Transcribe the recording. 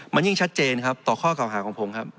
มันยิ่งชัดเจนครับต่อข้อเก่าหาของผมครับ